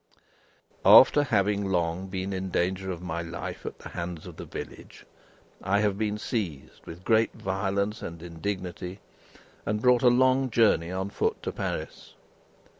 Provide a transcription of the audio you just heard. "After having long been in danger of my life at the hands of the village, I have been seized, with great violence and indignity, and brought a long journey on foot to Paris.